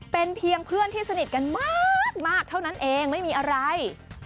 เป็นเพียงเพื่อนที่สนิทกันมากเท่านั้นเองไม่มีอะไร